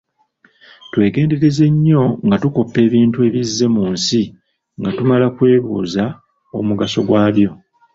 Twegendereze nnyo nga tukoppa ebintu ebizze mu nsi nga tumala kwebuuza omugaso gy'abyo.